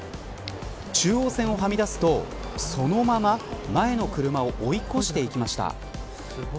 中央線をはみ出すとそのまま、前の車を追い越して行きました。